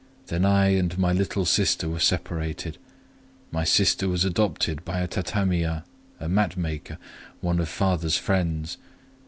Then I and my little sister were separated. My sister was adopted by a tatamiya, a mat maker,—one of father's friends.